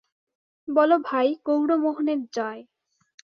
বলো ভাই, গৌরমোহনের জয়।